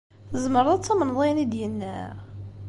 Tzemreḍ ad tamneḍ ayen i d-yenna?